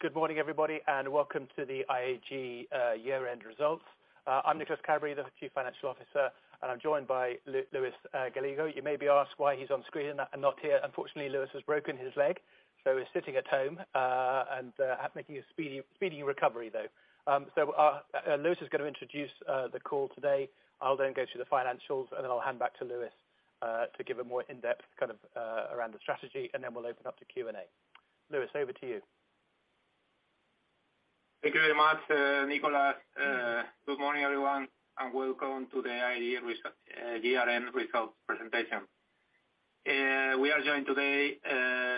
Good morning, everybody, welcome to the IAG year-end results. I'm Nicholas Cadbury, the chief financial officer, I'm joined by Luis Gallego. You may be asked why he's on screen and not here. Unfortunately, Luis has broken his leg, so he's sitting at home and making a speedy recovery though. Luis is gonna introduce the call today. I'll then go through the financials, then I'll hand back to Luis to give a more in-depth kind of around the strategy, then we'll open up to Q&A. Luis, over to you. Thank you very much, Nicholas. Good morning, everyone, and welcome to the IAG year-end result presentation. We are joined today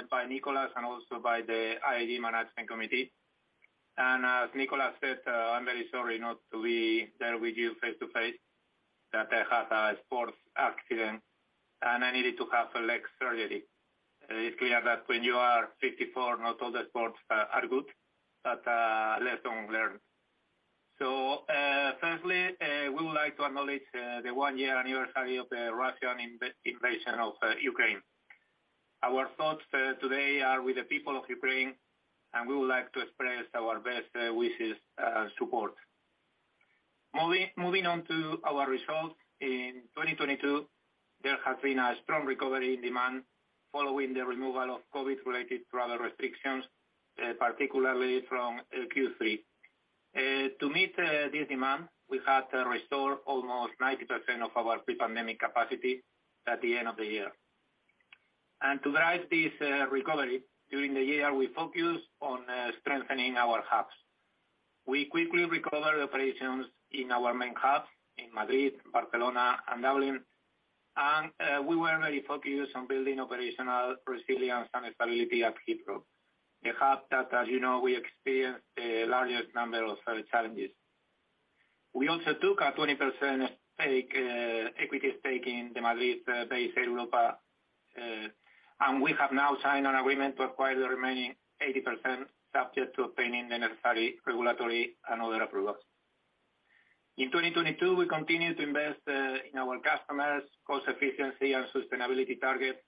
by Nicholas and also by the IAG management committee. As Nicholas said, I'm very sorry not to be there with you face-to-face, that I had a sports accident, and I needed to have leg surgery. It's clear that when you are 54, not all sports are good, but lesson learned. Firstly, we would like to acknowledge the one-year anniversary of the Russian invasion of Ukraine. Our thoughts today are with the people of Ukraine, and we would like to express our best wishes, support. Moving on to our results. In 2022, there has been a strong recovery in demand following the removal of COVID-related travel restrictions, particularly from Q3. To meet this demand, we had to restore almost 90% of our pre-pandemic capacity at the end of the year. To drive this recovery, during the year, we focused on strengthening our hubs. We quickly recovered operations in our main hubs in Madrid, Barcelona and Dublin. We were very focused on building operational resilience and stability at Heathrow. The hub that, as you know, we experienced the largest number of challenges. We also took a 20% stake, equity stake in the Madrid-based Air Europa. We have now signed an agreement to acquire the remaining 80% subject to obtaining the necessary regulatory and other approvals. In 2022, we continued to invest in our customers, cost efficiency and sustainability targets,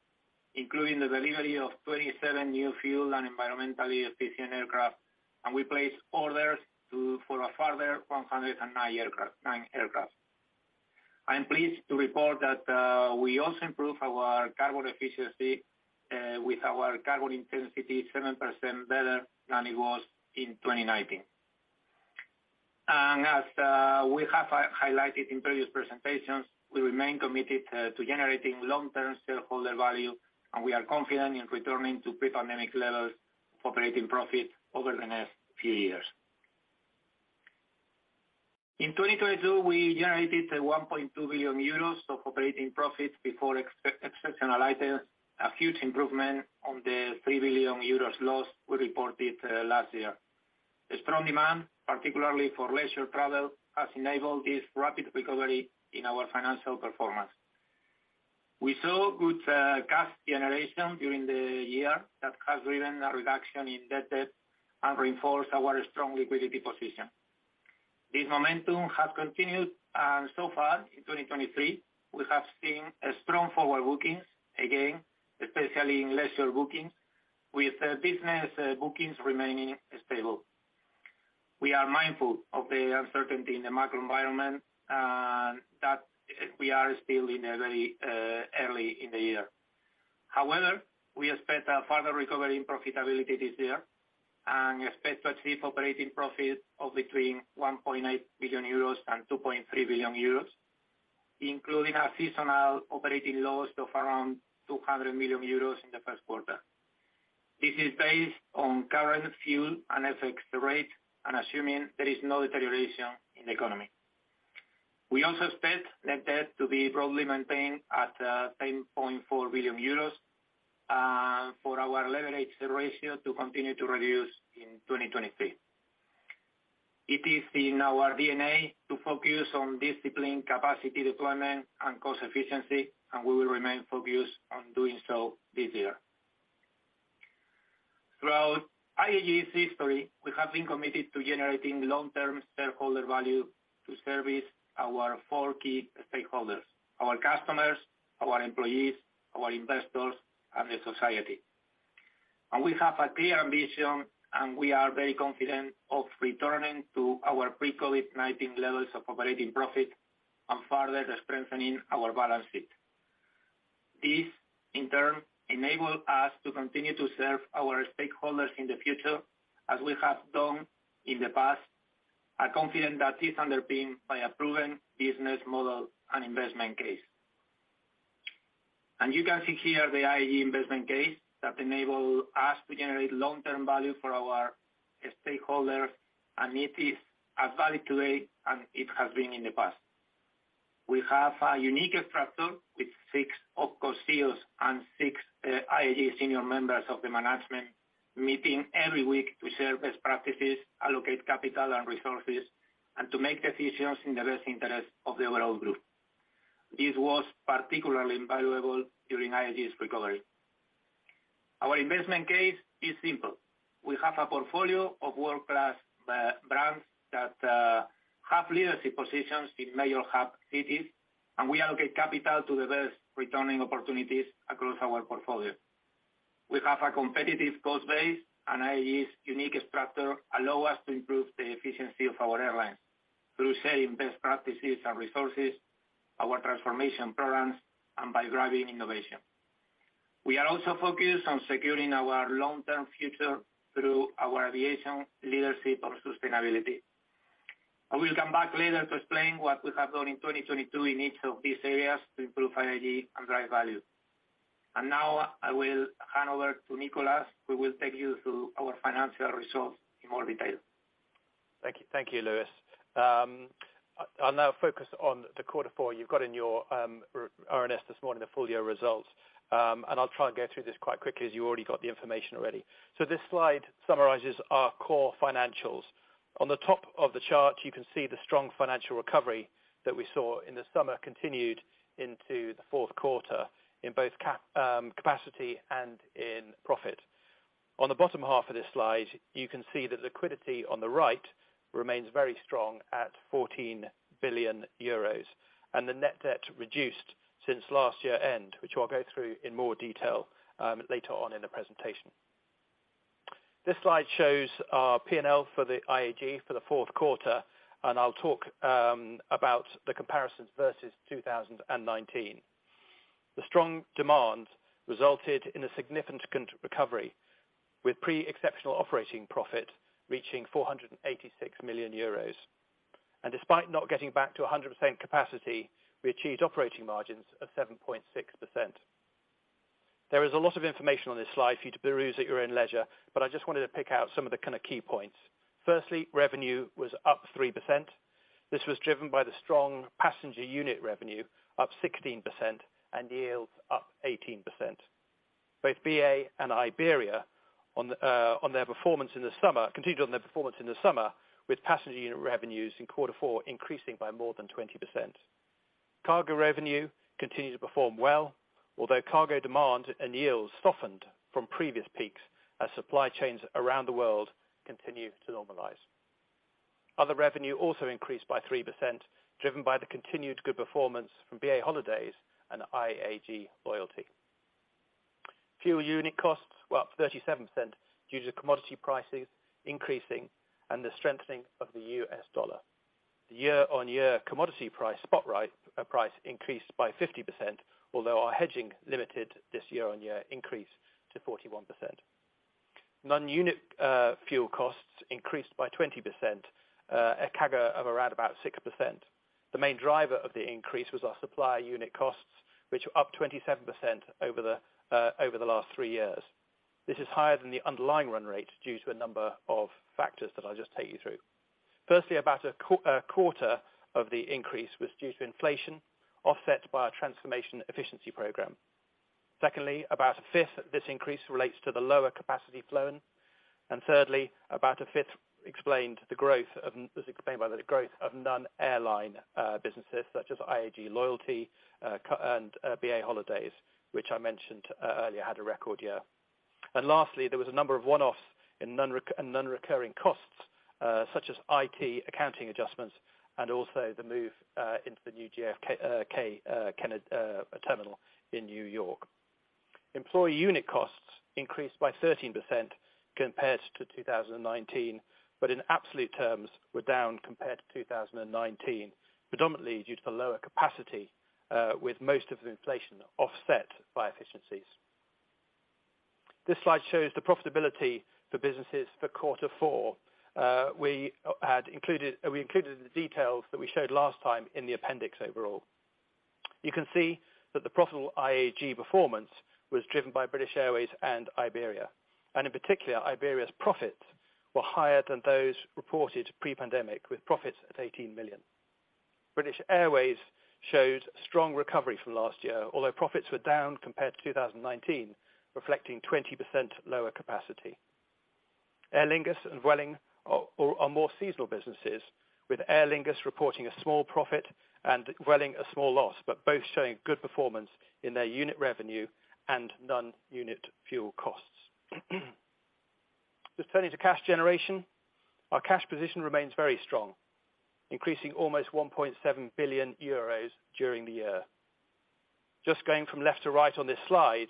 including the delivery of 27 new fuel and environmentally efficient aircraft. We placed orders to... for a further 109 aircraft. I am pleased to report that we also improved our carbon efficiency with our carbon intensity 7% better than it was in 2019. As we have highlighted in previous presentations, we remain committed to generating long-term shareholder value, and we are confident in returning to pre-pandemic levels of operating profit over the next few years. In 2022, we generated 1.2 billion euros of operating profit before exceptional items, a huge improvement on the 3 billion euros loss we reported last year. The strong demand, particularly for leisure travel, has enabled this rapid recovery in our financial performance. We saw good cash generation during the year that has driven a reduction in net debt and reinforced our strong liquidity position. This momentum has continued, and so far in 2023, we have seen a strong forward bookings again, especially in leisure bookings, with business bookings remaining stable. We are mindful of the uncertainty in the macro environment, and that we are still very early in the year. However, we expect a further recovery in profitability this year and expect a chief operating profit of between 1.8 billion euros and 2.3 billion euros, including a seasonal operating loss of around 200 million euros in the first quarter. This is based on current fuel and FX rate and assuming there is no deterioration in the economy. We also expect net debt to be broadly maintained at 10.4 billion euros for our leverage ratio to continue to reduce in 2023. It is in our DNA to focus on discipline, capacity deployment and cost efficiency. We will remain focused on doing so this year. Throughout IAG's history, we have been committed to generating long-term shareholder value to service our four key stakeholders: our customers, our employees, our investors, and the society. We have a clear ambition. We are very confident of returning to our pre-COVID-19 levels of operating profit and further strengthening our balance sheet. This, in turn, enable us to continue to serve our stakeholders in the future as we have done in the past. I'm confident that is underpinned by a proven business model and investment case. You can see here the IAG investment case that enable us to generate long-term value for our stakeholders. It is as valid today as it has been in the past. We have a unique structure with six opco CEOs and six IAG senior members of the management meeting every week to share best practices, allocate capital and resources, and to make decisions in the best interest of the overall group. This was particularly invaluable during IAG's recovery. Our investment case is simple. We have a portfolio of world-class brands-Have leadership positions in major hub cities, and we allocate capital to the best returning opportunities across our portfolio. We have a competitive cost base, and IAG's unique structure allow us to improve the efficiency of our airlines through sharing best practices and resources, our transformation programs, and by driving innovation. We are also focused on securing our long-term future through our aviation leadership on sustainability. I will come back later to explain what we have done in 2022 in each of these areas to improve IAG and drive value. Now I will hand over to Nicholas, who will take you through our financial results in more detail. Thank you. Thank you, Luis. I'll now focus on the quarter four. You've got in your RNS this morning, the full year results. I'll try and go through this quite quickly, as you already got the information already. This slide summarizes our core financials. On the top of the chart, you can see the strong financial recovery that we saw in the summer continued into the fourth quarter in both capacity and in profit. On the bottom half of this slide, you can see the liquidity on the right remains very strong at 14 billion euros, and the net debt reduced since last year-end, which I'll go through in more detail later on in the presentation. This slide shows our P&L for the IAG for the fourth quarter, and I'll talk about the comparisons versus 2019. The strong demand resulted in a significant recovery, with pre-exceptional operating profit reaching 486 million euros. Despite not getting back to 100% capacity, we achieved operating margins of 7.6%. There is a lot of information on this slide for you to peruse at your own leisure, I just wanted to pick out some of the kind of key points. Firstly, revenue was up 3%. This was driven by the strong passenger unit revenue up 16% and yields up 18%. Both BA and Iberia on their performance in the summer, continued on their performance in the summer with passenger unit revenues in quarter four increasing by more than 20%. Cargo revenue continued to perform well, although cargo demand and yields softened from previous peaks as supply chains around the world continue to normalize. Other revenue also increased by 3%, driven by the continued good performance from BA Holidays and IAG Loyalty. Fuel unit costs were up 37% due to commodity prices increasing and the strengthening of the US dollar. The year-on-year commodity spot price increased by 50%, although our hedging limited this year-on-year increase to 41%. Non-unit fuel costs increased by 20%, a CAGR of around about 6%. The main driver of the increase was our supplier unit costs, which were up 27% over the last 3 years. This is higher than the underlying run rate due to a number of factors that I'll just take you through. Firstly, about a quarter of the increase was due to inflation, offset by our transformation efficiency program. Secondly, about a fifth of this increase relates to the lower capacity flown. Thirdly, about a fifth explained the growth of, was explained by the growth of non-airline businesses such as IAG Loyalty and BA Holidays, which I mentioned earlier, had a record year. Lastly, there was a number of one-offs in non-recurring costs such as IT accounting adjustments and also the move into the new JFK Kennedy terminal in New York. Employee unit costs increased by 13% compared to 2019, but in absolute terms were down compared to 2019, predominantly due to the lower capacity, with most of the inflation offset by efficiencies. This slide shows the profitability for businesses for quarter four. We included the details that we showed last time in the appendix overall. You can see that the profitable IAG performance was driven by British Airways and Iberia. In particular, Iberia's profits were higher than those reported pre-pandemic, with profits at 18 million. British Airways showed strong recovery from last year, although profits were down compared to 2019, reflecting 20% lower capacity. Aer Lingus and Vueling are more seasonal businesses, with Aer Lingus reporting a small profit and Vueling a small loss, but both showing good performance in their unit revenue and non-unit fuel costs. Turning to cash generation, our cash position remains very strong, increasing almost 1.7 billion euros during the year. Going from left to right on this slide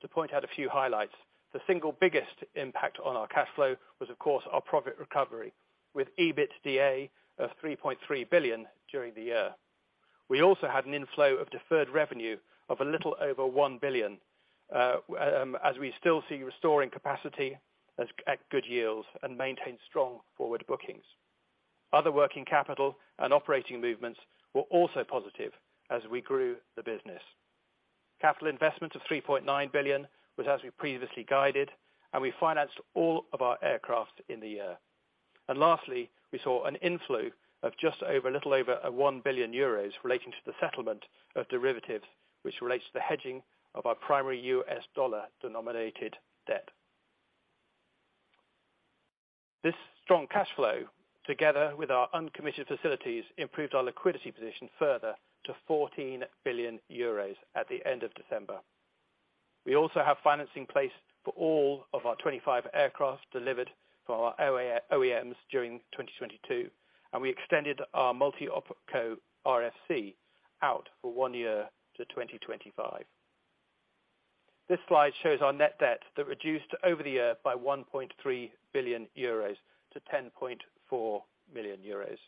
to point out a few highlights, the single biggest impact on our cash flow was, of course, our profit recovery with EBITDA of 3.3 billion during the year. We also had an inflow of deferred revenue of a little over 1 billion as we still see restoring capacity at good yields and maintain strong forward bookings. Other working capital and operating movements were also positive as we grew the business. Capital investment of 3.9 billion was as we previously guided. We financed all of our aircraft in the year. Lastly, we saw an inflow of a little over 1 billion euros relating to the settlement of derivatives, which relates to the hedging of our primary US dollar-denominated debt. This strong cash flow, together with our uncommitted facilities, improved our liquidity position further to 14 billion euros at the end of December. We also have financing in place for all of our 25 aircraft delivered for our OEMs during 2022. We extended our multi-opco RCF out for 1 year to 2025. This slide shows our net debt that reduced over the year by 1.3 billion euros to 10.4 million euros.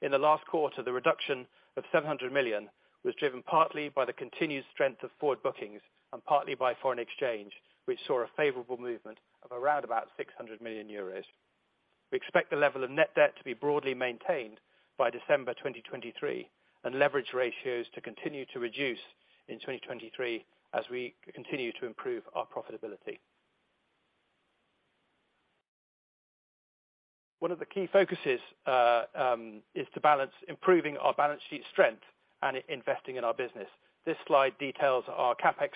In the last quarter, the reduction of 700 million was driven partly by the continued strength of forward bookings and partly by foreign exchange, which saw a favorable movement of around about 600 million euros. We expect the level of net debt to be broadly maintained by December 2023. Leverage ratios to continue to reduce in 2023 as we continue to improve our profitability. One of the key focuses is to balance improving our balance sheet strength and investing in our business. This slide details our CapEx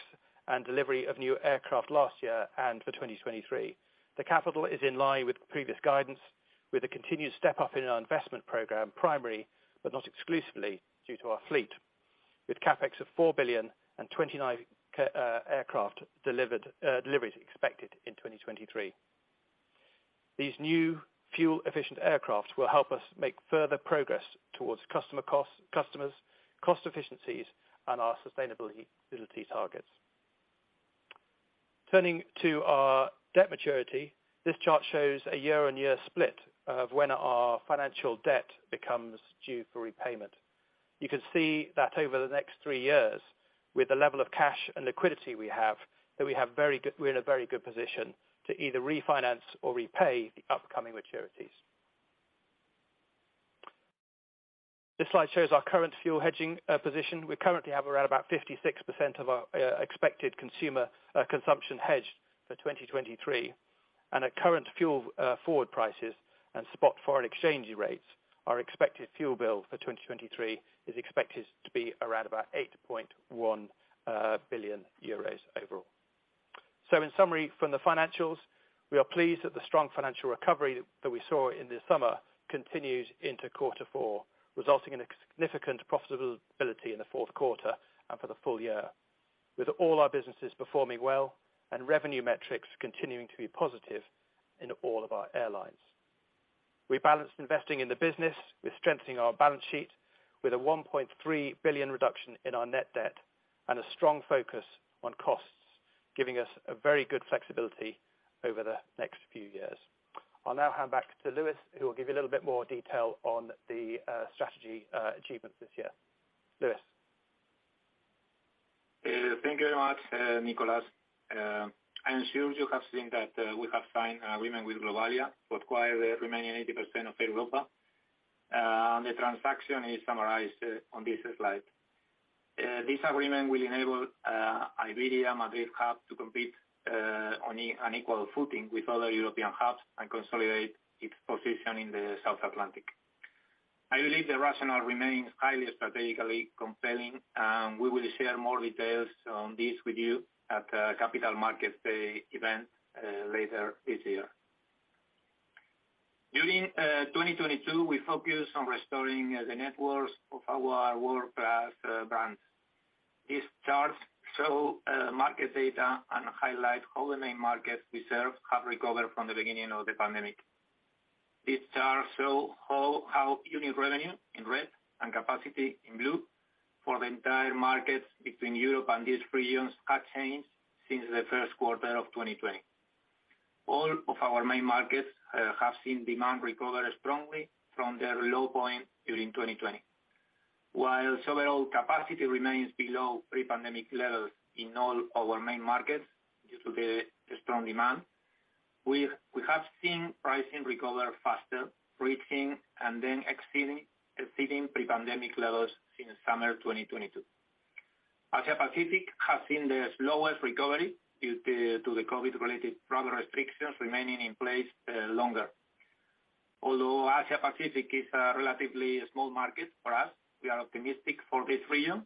and delivery of new aircraft last year and for 2023. The capital is in line with previous guidance, with a continued step-up in our investment program primary, but not exclusively, due to our fleet, with CapEx of 4 billion and 29 aircraft delivered, deliveries expected in 2023. These new fuel-efficient aircraft will help us make further progress towards customer costs, customers, cost efficiencies, and our sustainability targets. Turning to our debt maturity, this chart shows a year-on-year split of when our financial debt becomes due for repayment. You can see that over the next three years, with the level of cash and liquidity we have, that we're in a very good position to either refinance or repay the upcoming maturities. This slide shows our current fuel hedging position. We currently have around about 56% of our expected consumer consumption hedged for 2023. At current fuel forward prices and spot foreign exchange rates, our expected fuel bill for 2023 is expected to be around about 8.1 billion euros overall. In summary, from the financials, we are pleased that the strong financial recovery that we saw in the summer continues into quarter four, resulting in a significant profitability in the fourth quarter and for the full year, with all our businesses performing well and revenue metrics continuing to be positive in all of our airlines. We balanced investing in the business with strengthening our balance sheet with a 1.3 billion reduction in our net debt and a strong focus on costs, giving us a very good flexibility over the next few years. I'll now hand back to Luis, who will give you a little bit more detail on the strategy achievements this year. Luis. Thank you very much, Nicholas. I assume you have seen that we have signed an agreement with Globalia to acquire the remaining 80% of Air Europa. The transaction is summarized on this slide. This agreement will enable Iberia Madrid hub to compete on an equal footing with other European hubs and consolidate its position in the South Atlantic. I believe the rationale remains highly strategically compelling, and we will share more details on this with you at the capital market event later this year. During 2022, we focused on restoring the networks of our world-class brands. These charts show market data and highlight all the main markets we serve have recovered from the beginning of the pandemic. These charts show how unit revenue in red and capacity in blue for the entire markets between Europe and these regions have changed since the first quarter of 2020. All of our main markets have seen demand recover strongly from their low point during 2020. While several capacity remains below pre-pandemic levels in all our main markets due to the strong demand, we have seen pricing recover faster, reaching and then exceeding pre-pandemic levels since summer 2022. Asia Pacific has seen the slowest recovery due to the COVID-related travel restrictions remaining in place longer. Asia Pacific is a relatively small market for us, we are optimistic for this region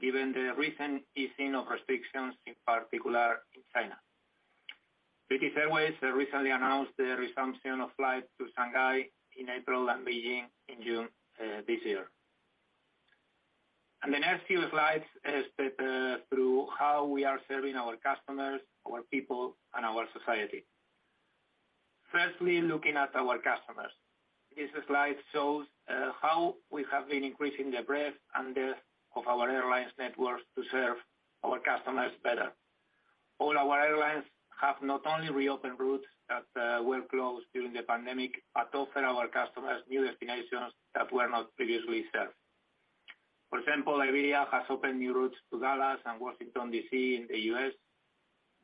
given the recent easing of restrictions, in particular in China. British Airways recently announced the resumption of flights to Shanghai in April and Beijing in June this year. The next few slides step through how we are serving our customers, our people, and our society. Firstly, looking at our customers. This slide shows how we have been increasing the breadth and depth of our airlines networks to serve our customers better. All our airlines have not only reopened routes that were closed during the pandemic, but offer our customers new destinations that were not previously served. For example, Iberia has opened new routes to Dallas and Washington DC in the US.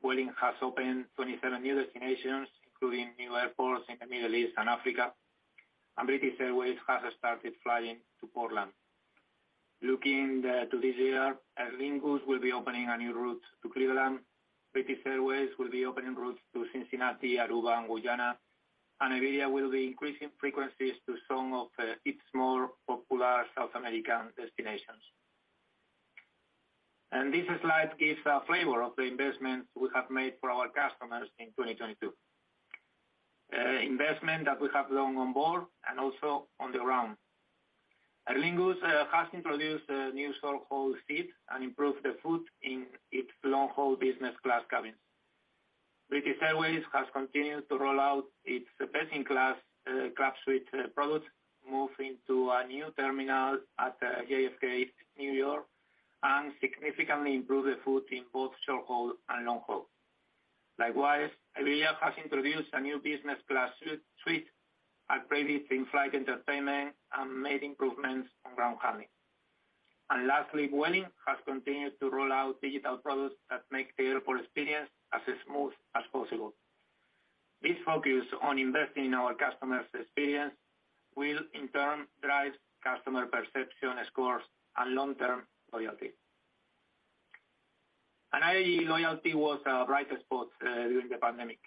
Vueling has opened 27 new destinations, including new airports in the Middle East and Africa. British Airways has started flying to Portland. Looking to this year, Aer Lingus will be opening a new route to Cleveland. British Airways will be opening routes to Cincinnati, Aruba, and Guyana. Iberia will be increasing frequencies to some of its more popular South American destinations. This slide gives a flavor of the investments we have made for our customers in 2022. Investment that we have long on board and also on the ground. Aer Lingus has introduced a new short-haul seat and improved the food in its long-haul business class cabins. British Airways has continued to roll out its best-in-class Club Suite product, move into a new terminal at JFK, New York, and significantly improved the food in both short-haul and long-haul. Likewise, Iberia has introduced a new business class suite, upgraded in-flight entertainment, and made improvements on ground handling. Lastly, Vueling has continued to roll out digital products that make the airport experience as smooth as possible. This focus on investing in our customers' experience will, in turn, drive customer perception scores and long-term loyalty. IAG Loyalty was our brightest spot during the pandemic.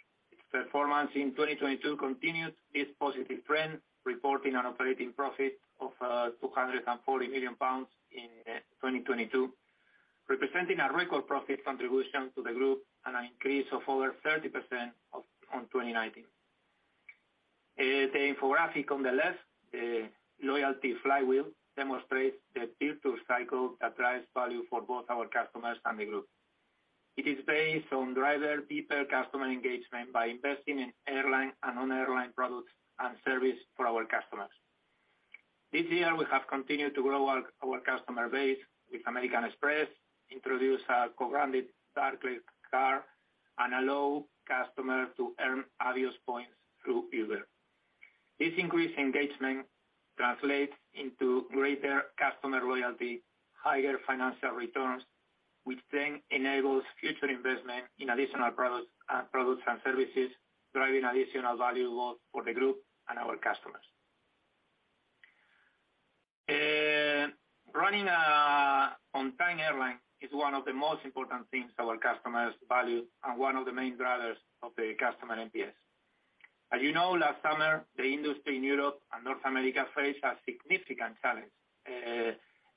Its performance in 2022 continues this positive trend, reporting an operating profit of 240 million pounds in 2022, representing a record profit contribution to the group and an increase of over 30% on 2019. The infographic on the left, Loyalty Flywheel, demonstrates the virtuous cycle that drives value for both our customers and the group. It is based on driver deeper customer engagement by investing in airline and non-airline products and service for our customers. This year, we have continued to grow our customer base with American Express, introduced our co-branded Barclaycard, and allow customers to earn Avios points through Uber. This increased engagement translates into greater customer loyalty, higher financial returns, which then enables future investment in additional products and services, driving additional value loss for the group and our customers. Running a on-time airline is one of the most important things our customers value and one of the main drivers of the customer NPS. As you know, last summer, the industry in Europe and North America faced a significant challenge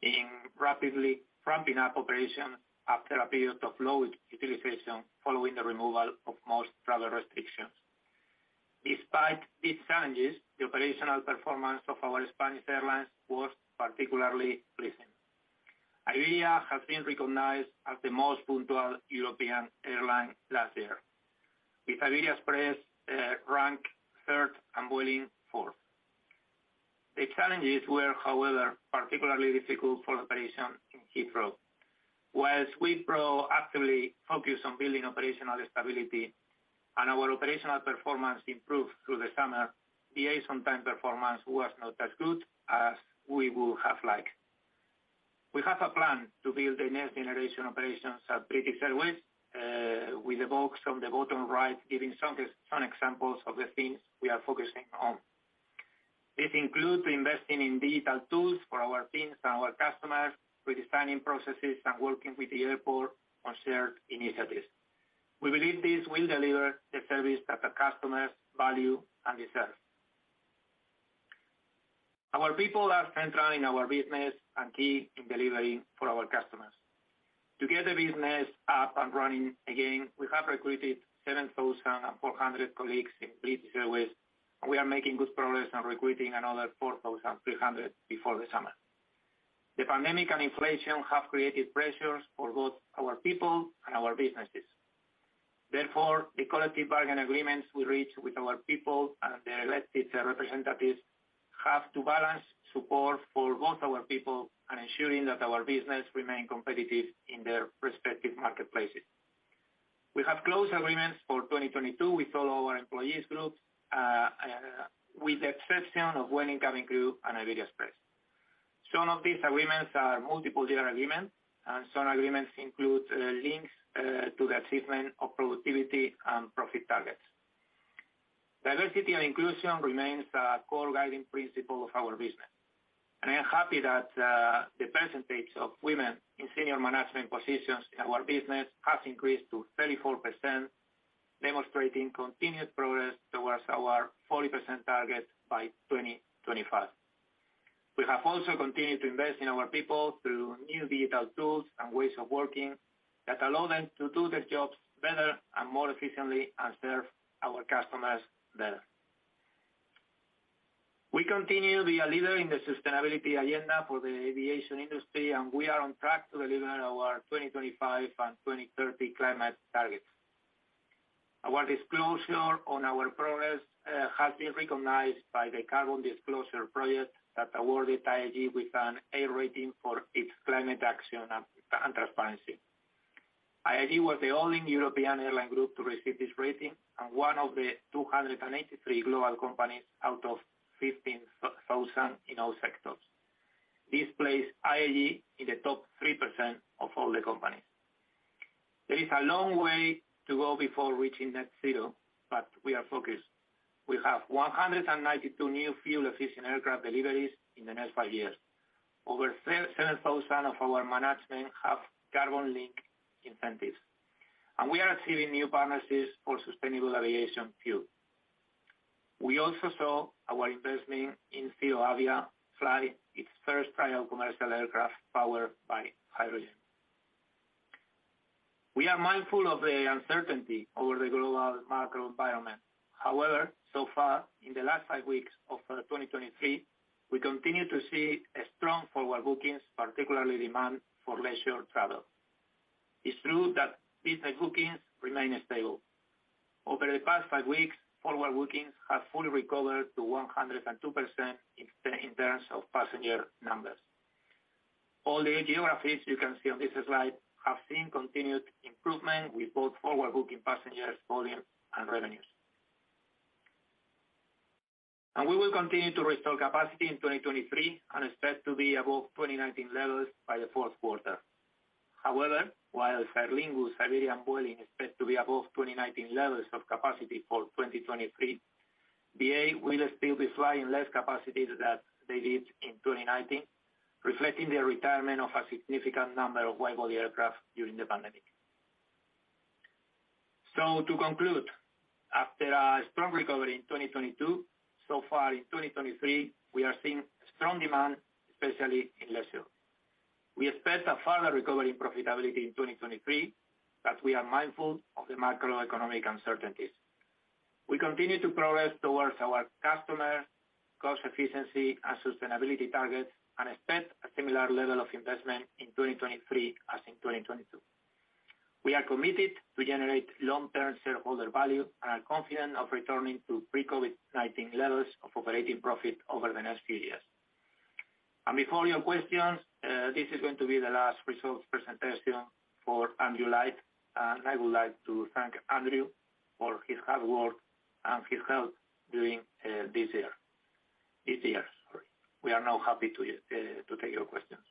in rapidly ramping up operations after a period of low utilization following the removal of most travel restrictions. Despite these challenges, the operational performance of our Spanish airlines was particularly pleasing. Iberia has been recognized as the most punctual European airline last year, with Iberia Express ranked third and Vueling fourth. The challenges were, however, particularly difficult for operations in Heathrow. Whilst Heathrow actively focused on building operational stability, and our operational performance improved through the summer, the on time performance was not as good as we would have liked. We have a plan to build the next generation operations at British Airways, with the box on the bottom right giving some examples of the things we are focusing on. This includes investing in digital tools for our teams and our customers, redesigning processes, and working with the airport on shared initiatives. We believe this will deliver the service that the customers value and deserve. Our people are central in our business and key in delivering for our customers. To get the business up and running again, we have recruited 7,400 colleagues in British Airways, and we are making good progress on recruiting another 4,300 before the summer. The pandemic and inflation have created pressures for both our people and our businesses. The collective bargain agreements we reach with our people and their elected representatives have to balance support for both our people and ensuring that our business remain competitive in their respective marketplaces. We have closed agreements for 2022 with all our employees groups, with the exception of Vueling cabin crew and Iberia Express. Some of these agreements are multiple year agreements, and some agreements include links to the achievement of productivity and profit targets. Diversity and inclusion remains a core guiding principle of our business. I am happy that the percentage of women in senior management positions in our business has increased to 34%, demonstrating continued progress towards our 40% target by 2025. We have also continued to invest in our people through new digital tools and ways of working that allow them to do their jobs better and more efficiently and serve our customers better. We continue to be a leader in the sustainability agenda for the aviation industry. We are on track to deliver our 2025 and 2030 climate targets. Our disclosure on our progress has been recognized by the Carbon Disclosure Project that awarded IAG with an A rating for its climate action and transparency. IAG was the only European airline group to receive this rating and one of the 283 global companies out of 15,000 in all sectors. This placed IAG in the top 3% of all the companies. There is a long way to go before reaching net zero. We are focused. We have 192 new fuel-efficient aircraft deliveries in the next five years. Over 7,000 of our management have carbon-linked incentives. We are achieving new partnerships for sustainable aviation fuel. We also saw our investment in ZeroAvia fly its first trial commercial aircraft powered by hydrogen. We are mindful of the uncertainty over the global macro environment. So far, in the last five weeks of 2023, we continue to see a strong forward bookings, particularly demand for leisure travel. It's true that business bookings remain stable. Over the past five weeks, forward bookings have fully recovered to 102% in terms of passenger numbers. All the geographies you can see on this slide have seen continued improvement with both forward-booking passengers, volume, and revenues. We will continue to restore capacity in 2023 and expect to be above 2019 levels by the fourth quarter. However, while Aer Lingus, Iberia, and Vueling is expected to be above 2019 levels of capacity for 2023, BA will still be flying less capacity that they did in 2019, reflecting the retirement of a significant number of wide-body aircraft during the pandemic. To conclude, after a strong recovery in 2022, so far in 2023, we are seeing strong demand, especially in leisure. We expect a further recovery in profitability in 2023, but we are mindful of the macroeconomic uncertainties. We continue to progress towards our customer, cost efficiency, and sustainability targets and expect a similar level of investment in 2023 as in 2022. We are committed to generate long-term shareholder value and are confident of returning to pre-COVID-19 levels of operating profit over the next few years. Before your questions, this is going to be the last results presentation for Andrew Light. I would like to thank Andrew for his hard work and his help during this year. These years, sorry. We are now happy to take your questions.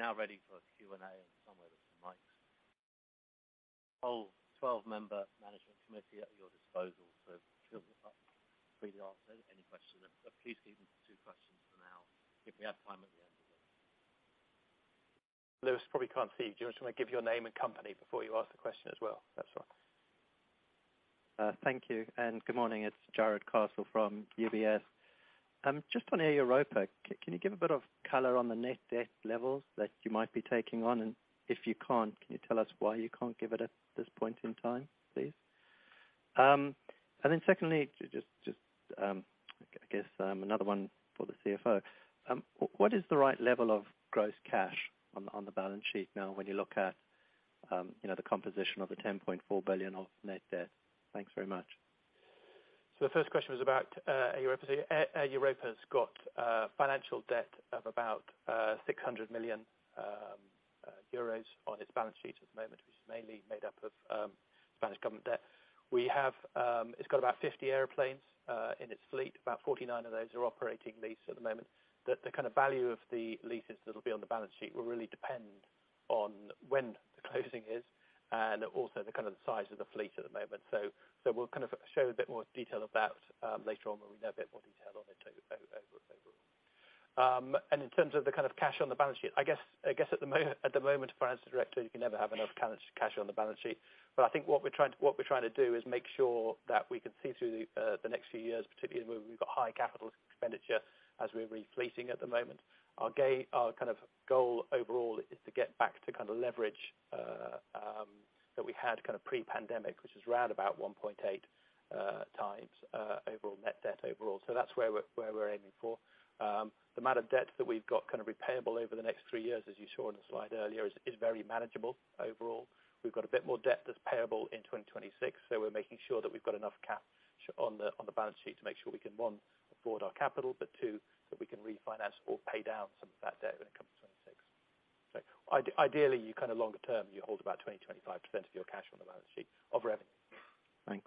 We're now ready for Q&A. Somewhere there's some mics. Whole 12-member management committee at your disposal to... Thank you. Good morning. It's Jarrod Castle from UBS. Just on Air Europa, can you give a bit of color on the net debt levels that you might be taking on? If you can't, can you tell us why you can't give it at this point in time, please? Secondly, just, I guess, another one for the CFO. What is the right level of gross cash on the balance sheet now when you look at the composition of the 10.4 billion of net debt? Thanks very much. The first question was about Air Europa. Air Europa has got financial debt of about 600 million euros on its balance sheet at the moment, which is mainly made up of Spanish government debt. We have. It's got about 50 airplanes in its fleet. About 49 of those are operating lease at the moment. The kind of value of the leases that'll be on the balance sheet will really depend on when the closing is and also the kind of the size of the fleet at the moment. We'll kind of share a bit more detail of that later on when we know a bit more detail on it overall. In terms of the kind of cash on the balance sheet, I guess at the moment, as finance director, you can never have enough cash on the balance sheet. I think what we're trying to do is make sure that we can see through the next few years, particularly when we've got high capital expenditure as we're repleting at the moment. Our kind of goal overall is to get back to kind of leverage that we had kind of pre-pandemic, which is round about 1.8 times overall net debt overall. That's where we're aiming for. The amount of debt that we've got kind of repayable over the next 3 years, as you saw on the slide earlier, is very manageable overall. We've got a bit more debt that's payable in 2026, we're making sure that we've got enough cash on the balance sheet to make sure we can, one, afford our capital, but two, that we can refinance or pay down some of that debt when it comes to 2026. Ideally, you kind of longer term, you hold about 20%-25% of your cash on the balance sheet of revenue. Thanks.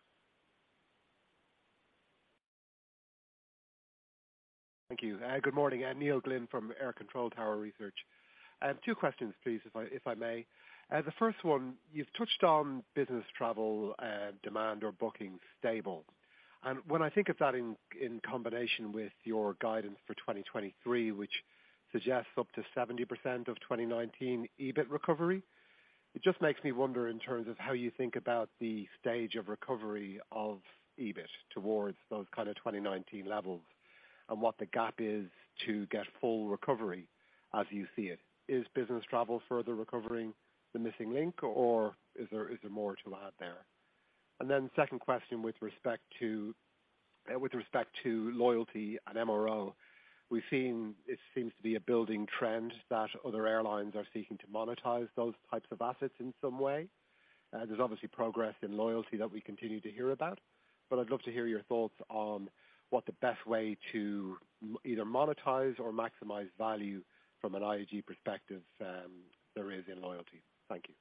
Thank you. Good morning. Neil Glynn from AIR Control Tower Research. I have two questions, please, if I may. The first one, you've touched on business travel, demand or bookings stable. When I think of that in combination with your guidance for 2023, which suggests up to 70% of 2019 EBIT recovery, it just makes me wonder in terms of how you think about the stage of recovery of EBIT towards those kind of 2019 levels and what the gap is to get full recovery as you see it. Is business travel further recovering the missing link or is there more to add there? Then 2nd question with respect to Loyalty and MRO. We've seen, it seems to be a building trend that other airlines are seeking to monetize those types of assets in some way. There's obviously progress in loyalty that we continue to hear about, but I'd love to hear your thoughts on what the best way to either monetize or maximize value from an IAG perspective, there is in loyalty. Thank you.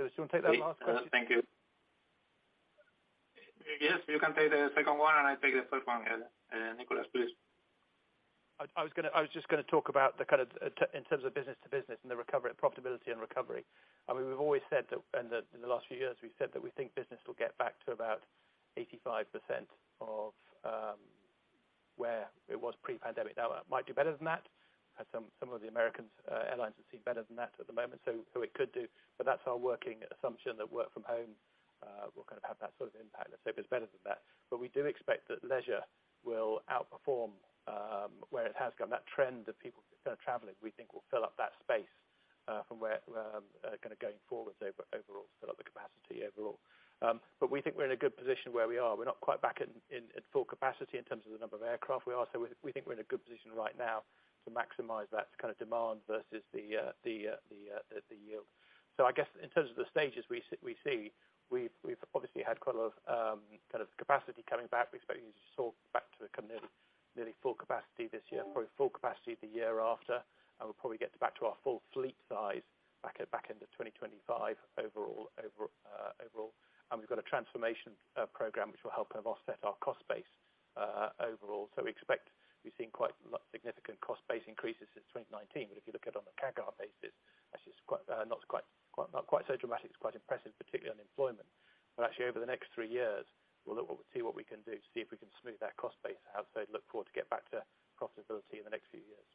Luis, do you want to take that last question? Thank you. Yes, you can take the second one, and I take the first one, Nicholas, please. I was just gonna talk about the kind of in terms of business to business and the recovery, profitability and recovery. I mean, we've always said that, in the last few years we've said that we think business will get back to about 85% of where it was pre-pandemic. Now it might do better than that, as some of the American airlines have seemed better than that at the moment, so it could do. That's our working assumption that work from home will kind of have that sort of impact. Let's hope it's better than that. We do expect that leisure will outperform where it has gone. That trend of people kind of traveling, we think will fill up that space, from where, kind of going forward overall, fill up the capacity overall. We think we're in a good position where we are. We're not quite back at full capacity in terms of the number of aircraft we are, so we think we're in a good position right now to maximize that kind of demand versus the yield. I guess in terms of the stages we see, we've obviously had quite a lot of kind of capacity coming back. We expect it to sort back to a nearly full capacity this year, probably full capacity the year after, and we'll probably get back to our full fleet size back at back end of 2025 overall. We've got a transformation program which will help kind of offset our cost base overall. We expect we've seen quite significant cost base increases since 2019. If you look at it on a CAGR basis, actually it's quite, not quite, not quite so dramatic. It's quite impressive, particularly on employment. Actually, over the next three years, we'll see what we can do, see if we can smooth that cost base out. Look forward to get back to profitability in the next few years.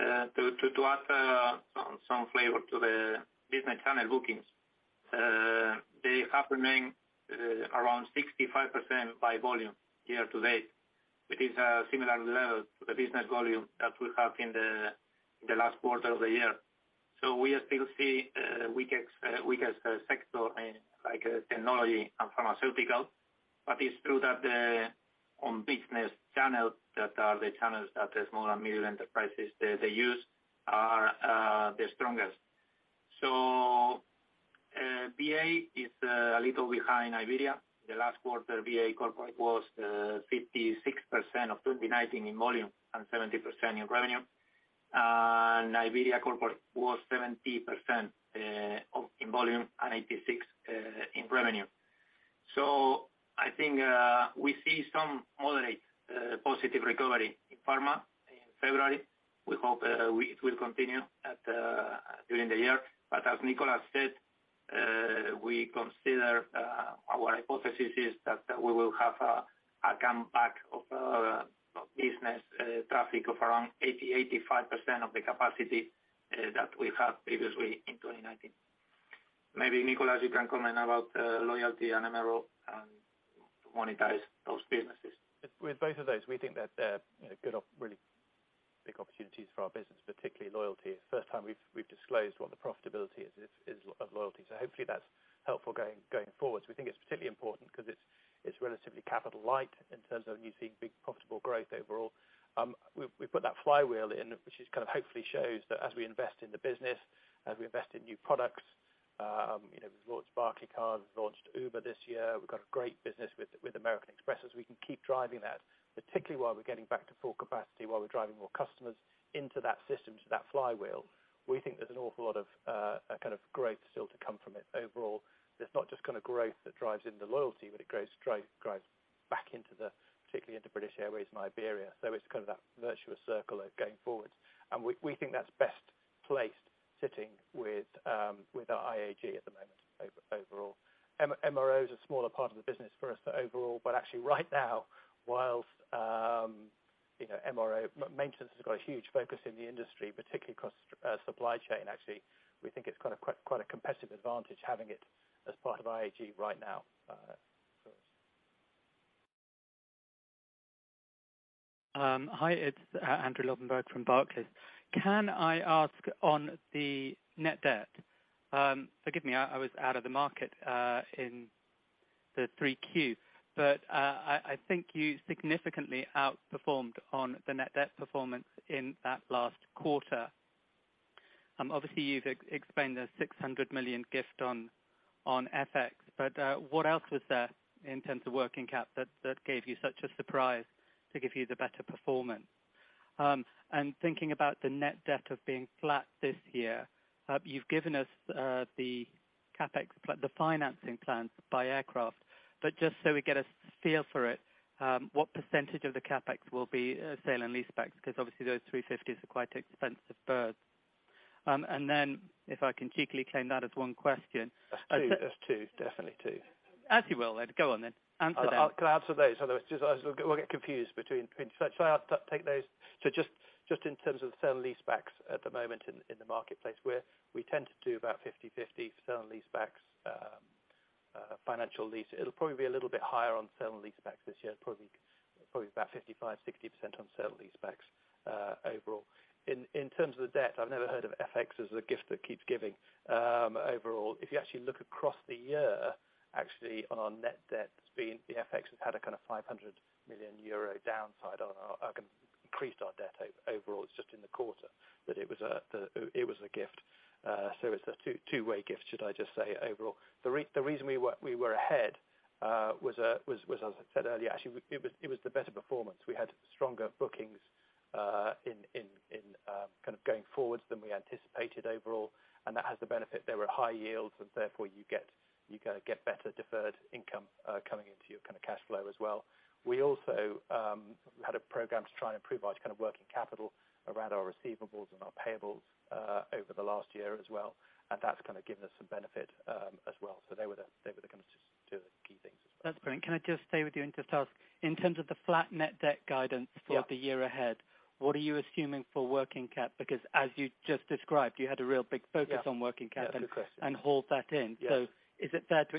To add some flavor to the business channel bookings, they have remained around 65% by volume year to date, which is a similar level to the business volume that we have in the last quarter of the year. We still see weaker sector in like technology and pharmaceutical. It's true that on business channels that are the channels that the small and medium enterprises they use are the strongest. BA is a little behind Iberia. The last quarter, BA Corporate was 56% of 2019 in volume, and 70% in revenue. Iberia Corporate was 70% in volume and 86% in revenue. I think we see some moderate positive recovery in pharma in February. We hope it will continue at during the year. As Nicholas said, we consider, our hypothesis is that we will have a comeback of business traffic of around 80-85% of the capacity that we had previously in 2019. Maybe, Nicholas, you can comment about loyalty and MRO and monetize those businesses. With both of those, we think that they're, you know, really big opportunities for our business, particularly Loyalty. First time we've disclosed what the profitability is of Loyalty. Hopefully that's helpful going forward. We put that flywheel in, which is kind of hopefully shows that as we invest in the business, as we invest in new products, you know, we've launched Barclaycard, we've launched Uber this year. We've got a great business with American Express, as we can keep driving that, particularly while we're getting back to full capacity, while we're driving more customers into that system, to that flywheel. We think there's an awful lot of, kind of growth still to come from it overall. It's not just kind of growth that drives into Loyalty, but it drives back into the, particularly into British Airways and Iberia. It's kind of that virtuous circle of going forward. We think that's best placed sitting with our IAG at the moment overall. MRO is a smaller part of the business for us overall. Actually right now, whilst, you know, MRO, maintenance has got a huge focus in the industry, particularly across supply chain actually, we think it's kind of quite a competitive advantage having it as part of IAG right now, for us. Hi. It's Andrew Lobbenberg from Barclays. Can I ask on the net debt? Forgive me, I was out of the market in the 3Q. I think you significantly outperformed on the net debt performance in that last quarter. Obviously you've explained the 600 million gift on FX, what else was there in terms of working cap that gave you such a surprise to give you the better performance? Thinking about the net debt of being flat this year, you've given us the CapEx, the financing plans by aircraft. Just so we get a feel for it, what % of the CapEx will be sale and leasebacks? Those 350s are quite expensive birds. Then if I can cheekily claim that as one question- That's two. That's two. Definitely two. As you will then. Go on then. Answer them. Can I answer those? Otherwise, just as we'll get confused between. Shall I take those? Just in terms of sale and leasebacks at the moment in the marketplace, we tend to do about 50/50 sale and leasebacks, financial lease. It'll probably be a little bit higher on sale and leasebacks this year. Probably about 55%-60% on sale and leasebacks overall. In terms of the debt, I've never heard of FX as a gift that keeps giving. Overall, if you actually look across the year, actually on our net debt, it's been the FX has had a kind of 500 million euro downside on our, again, increased our debt overall. It's just in the quarter that it was, the, it was a gift. So it's a two-way gift, should I just say overall. The reason we were ahead was, as I said earlier, actually it was the better performance. We had stronger bookings in kind of going forwards than we anticipated overall. That has the benefit. There were high yields and therefore you kind of get better deferred income coming into your kind of cash flow as well. We also had a program to try and improve our kind of working capital around our receivables and our payables over the last year as well. That's kind of given us some benefit as well. They were the kind of two key things. That's brilliant. Can I just stay with you and just ask, in terms of the flat net debt guidance- Yeah for the year ahead, what are you assuming for working cap? Because as you just described, you had a real big focus... Yeah on working capital Yeah, good question. hold that in. Yeah. Is it fair to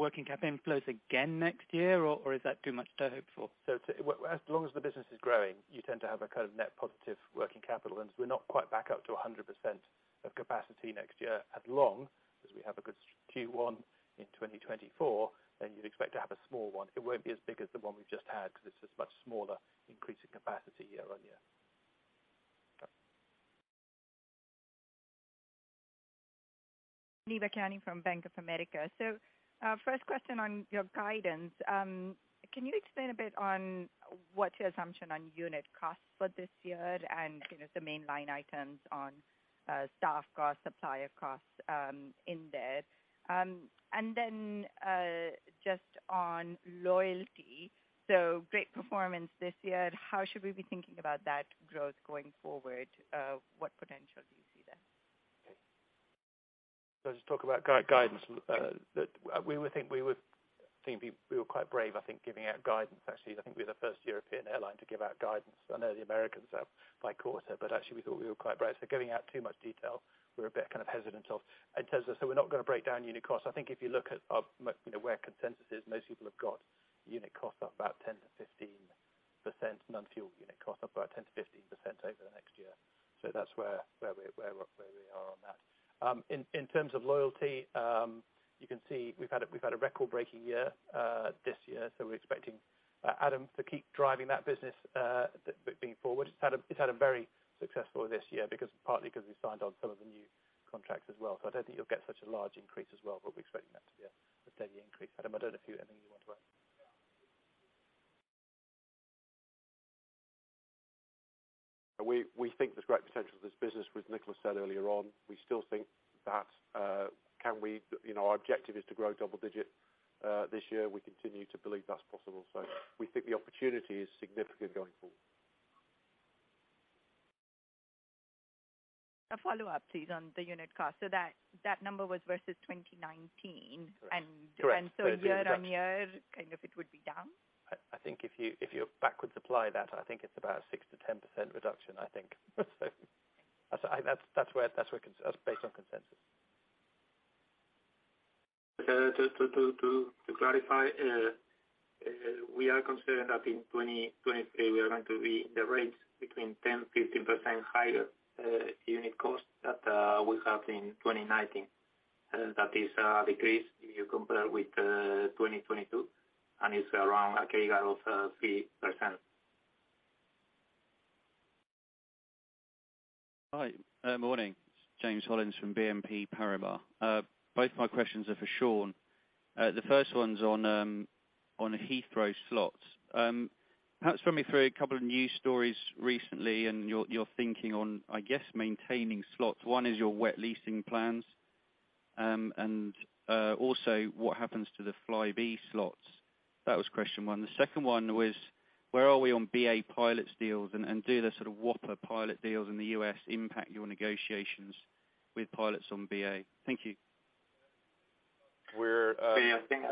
expect working capital inflows again next year, or is that too much to hope for? As long as the business is growing, you tend to have a kind of net positive working capital. We're not quite back up to 100% of capacity next year, as long as we have a good Q1 in 2024, you'd expect to have a small one. It won't be as big as the one we've just had because it's a much smaller increase in capacity year-on-year. Okay. Muneeba Kayani from Bank of America. First question on your guidance. Can you explain a bit on what's your assumption on unit costs for this year and, you know, the main line items on staff costs, supplier costs, in there? Just on loyalty, great performance this year. How should we be thinking about that growth going forward? What potential do you see there? To talk about guidance, that we would think we were quite brave, I think, giving out guidance. Actually, I think we were the first European airline to give out guidance. I know the Americans are by quarter, but actually we thought we were quite brave. Giving out too much detail, we're a bit, kind of, hesitant of in terms of. We're not gonna break down unit costs. I think if you look at our, you know, where consensus is, most people have got unit cost up about 10%-15%, non-fuel unit cost up about 10%-15% over the next year. That's where we are on that. In terms of loyalty, you can see we've had a record-breaking year this year. We're expecting, Adam, to keep driving that business, being forward. It's had a very successful this year because partly because we signed on some of the new contracts as well. I don't think you'll get such a large increase as well, but we're expecting that to be a steady increase. Adam, I don't know if you have anything you want to add. We think there's great potential for this business, what Nicholas said earlier on. We still think that, you know, our objective is to grow double digit this year. We continue to believe that's possible. We think the opportunity is significant going forward. A follow-up, please, on the unit cost. That number was versus 2019. Correct. And- Correct. Year on year, kind of, it would be down? I think if you backwards apply that, I think it's about 6%-10% reduction, I think. That's where that's based on consensus. To clarify, we are considering that in 2023, we are going to be in the range between 10%-15% higher unit cost that we have in 2022, and it's around a carry out of 3%. Hi. Morning. James Hollins from BNP Paribas. Both my questions are for Sean. The first one's on Heathrow slots. Perhaps run me through a couple of news stories recently and your thinking on, I guess, maintaining slots. One is your wet leasing plans, and also what happens to the Flybe slots. That was question one. The second one was, where are we on BA pilots deals? Do the sort of whopper pilot deals in the US impact your negotiations with pilots on BA? Thank you. We're. Yeah, I think,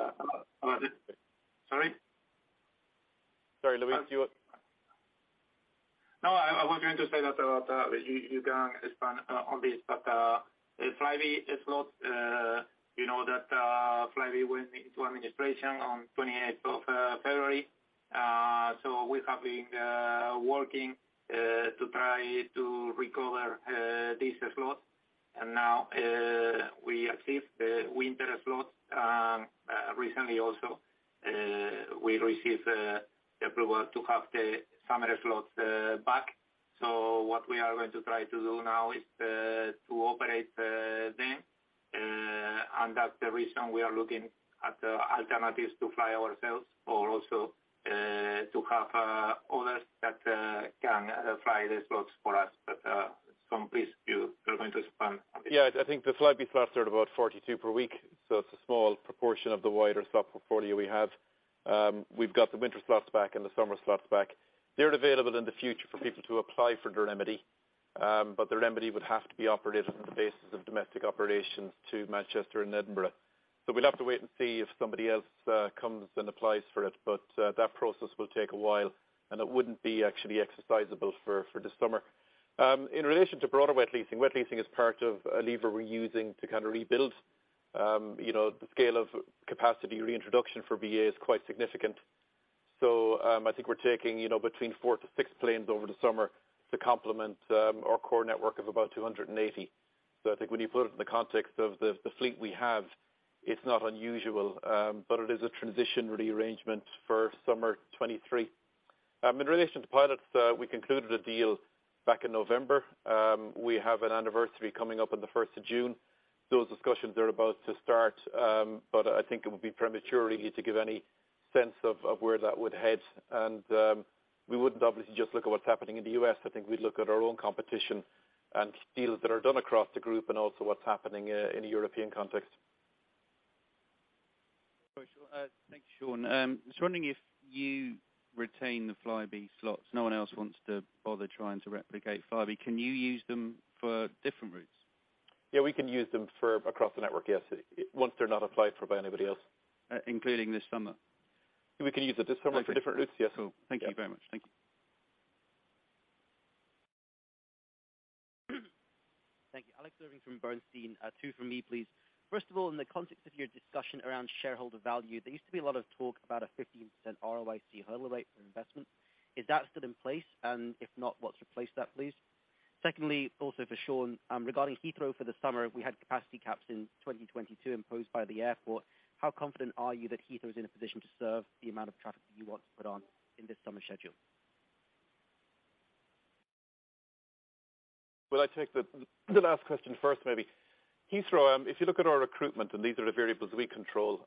sorry. Sorry, Luis, you want? No, I was going to say that you can expand on this. Flybe slots, you know that Flybe went into administration on 28th of February. We have been working to try to recover these slots. Now we achieved the winter slots recently also. We received approval to have the summer slots back. What we are going to try to do now is to operate them. That's the reason we are looking at alternatives to fly ourselves or also to have others that can fly the slots for us. Please you are going to expand on this. Yeah. I think the Flybe slots are at about 42 per week, so it's a small proportion of the wider slot portfolio we have. We've got the winter slots back and the summer slots back. They're available in the future for people to apply for their remedy, but the remedy would have to be operated on the basis of domestic operations to Manchester and Edinburgh. We'll have to wait and see if somebody else comes and applies for it. That process will take a while, and it wouldn't be actually exercisable for this summer. In relation to broader wet leasing, wet leasing is part of a lever we're using to kind of rebuild, you know, the scale of capacity reintroduction for BA is quite significant. I think we're taking, you know, between 4-6 planes over the summer to complement our core network of about 280. I think when you put it in the context of the fleet we have, it's not unusual, but it is a transition rearrangement for summer 2023. In relation to pilots, we concluded a deal back in November. We have an anniversary coming up on the 1st of June. Those discussions are about to start, but I think it would be premature really to give any sense of where that would head. We wouldn't obviously just look at what's happening in the US. I think we'd look at our own competition and deals that are done across the group and also what's happening in a European context. Sorry, Sean. Thanks, Sean. I was wondering if you retain the Flybe slots. No one else wants to bother trying to replicate Flybe. Can you use them for different routes? We can use them for across the network, yes, once they're not applied for by anybody else. Including this summer? We can use the discount for different routes, yes. Thank you very much. Thank you. Thank you. Alex Irving from Bernstein. two from me, please. First of all, in the context of your discussion around shareholder value, there used to be a lot of talk about a 15% ROIC hurdle rate for investment. Is that still in place? If not, what's replaced that, please? Secondly, also for Sean, regarding Heathrow for the summer, we had capacity caps in 2022 imposed by the airport. How confident are you that Heathrow is in a position to serve the amount of traffic that you want to put on in this summer schedule? Well, I take the last question first maybe. Heathrow, if you look at our recruitment, and these are the variables we control,